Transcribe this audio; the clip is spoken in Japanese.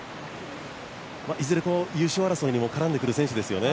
いずれ優勝争いにも絡んでくる選手ですよね。